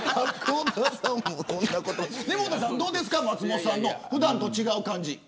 根本さんどうですか松本さんの普段と違う感じ。